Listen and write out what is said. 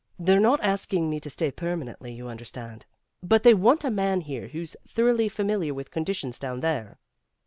"They're not asking me to stay permanently, you understand. But they want a man here who's thoroughly familiar with conditions down there."